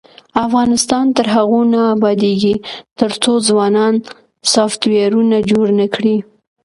افغانستان تر هغو نه ابادیږي، ترڅو ځوانان سافټویرونه جوړ نکړي.